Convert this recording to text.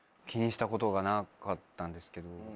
気にしたことがなかったんですけど。